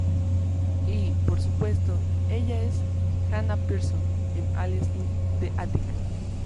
Y, por supuesto, ella es Hannah Pearson en "Aliens in the Attic".